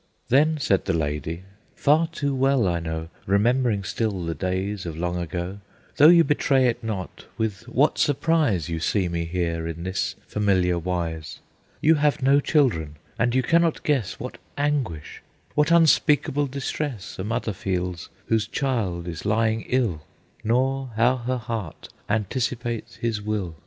Then said the lady, "Far too well I know, Remembering still the days of long ago, Though you betray it not, with what surprise You see me here in this familiar wise. You have no children, and you cannot guess What anguish, what unspeakable distress A mother feels, whose child is lying ill, Nor how her heart anticipates his will.